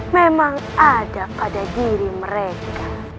memang ada pada diri mereka